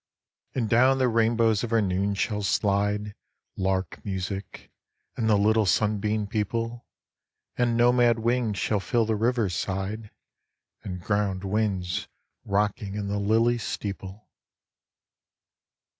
And down the rainbows of her noon shall slide Lark music, and the little sunbeam people, And nomad wings shall fill the river side, And ground winds rocking in the lily's steeple.